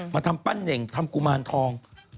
มาทำปั้นเน่งทำกุมารทอง